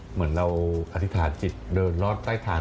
เหมือนเราอธิษฐานจิตเดินรอดใต้ฐาน